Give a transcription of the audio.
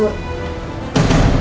mas berisik hidur